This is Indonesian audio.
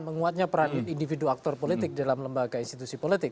menguatnya peran individu aktor politik dalam lembaga institusi politik